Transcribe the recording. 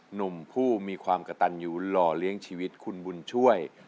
หนุ่มผู้มีความกระตันอยู่หล่อเลี้ยงชีวิตคุณบุญช่วย